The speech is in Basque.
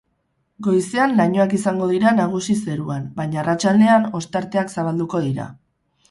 Goizean lainoak izango dira nagusi zeruan, baina arratsaldean ostarteak zabalduko dira.